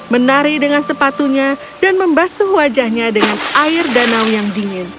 menari dengan sepatunya dan membasuh wajahnya dengan air danau yang dingin